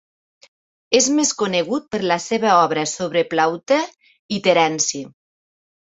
És més conegut per la seva obra sobre Plaute i Terenci.